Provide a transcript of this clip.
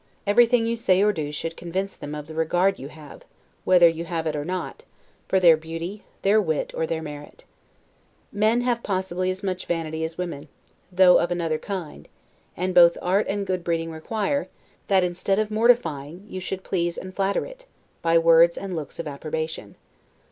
Everything you say or do should convince them of the regard you have (whether you have it or not) for their beauty, their wit, or their merit. Men have possibly as much vanity as women, though of another kind; and both art and good breeding require, that, instead of mortifying, you should please and flatter it, by words and looks of approbation.